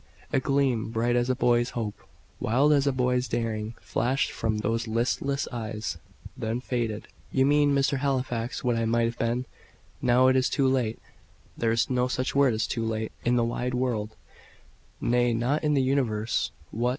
A gleam, bright as a boy's hope, wild as a boy's daring, flashed from those listless eyes then faded. "You mean, Mr. Halifax, what I might have been. Now it is too late." "There is no such word as 'too late,' in the wide world nay, not in the universe. What!